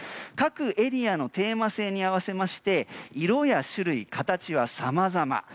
各エリアのテーマ性に合わせまして色や種類、形はさまざま。